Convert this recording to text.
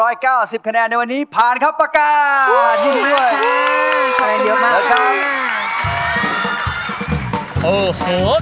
โอ้โหคะแนนสูงสุดของรอบภาพมรุ่นน่ะตอนนี้เลยครับ